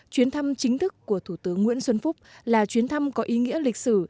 chuyến thăm chính thức của thủ tướng nguyễn xuân phúc là chuyến thăm có ý nghĩa lịch sử